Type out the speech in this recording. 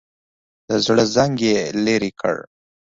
د زړه زنګ یې لرې کړ.